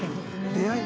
出会い。